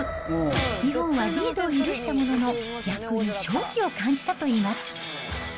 日本はリードを許したものの、逆に勝機を感じたといいます。